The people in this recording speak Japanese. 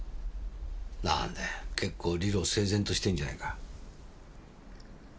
なぁんだよ結構理路整然としてんじゃないか。